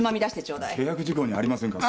契約事項にありませんから。